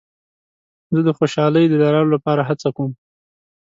زه د خوشحالۍ د لرلو لپاره هڅه کوم.